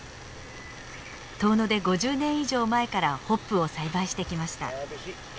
遠野で５０年以上前からホップを栽培してきました。